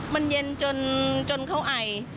มันเย็นจนเขาไอ